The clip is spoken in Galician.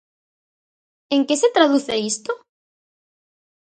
¿En que se traduce isto?